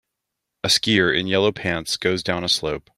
A skier in yellow pants goes down a slope.